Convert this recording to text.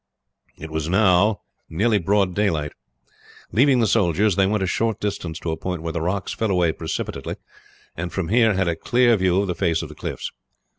It was now nearly broad daylight. Leaving the soldiers they went a short distance to a point where the rocks fell away precipitately, and from here had a clear view of the face of the cliffs.